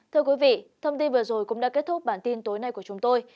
thưa quý vị thông tin vừa rồi cũng đã kết thúc bản tin tối nay của chúng tôi